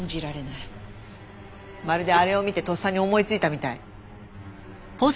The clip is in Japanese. まるであれを見てとっさに思いついたみたい。